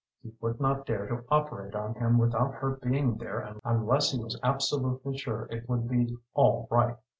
He would not dare to operate on him without her being there unless he was absolutely sure it would be all right.